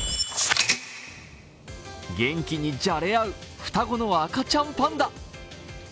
元気にじゃれ合う双子の赤ちゃんパンダ。